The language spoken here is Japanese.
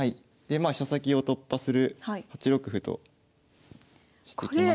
飛車先を突破する８六歩としてきましたが。